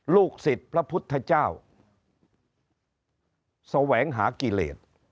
ลูกศิษย์พระพุทธเจ้าแสวงหากิเลส